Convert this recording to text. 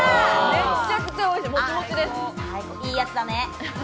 めちゃくちゃおいしい。